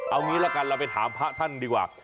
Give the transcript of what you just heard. เอางี้ละกันเราไปถามพระท่านดีกว่า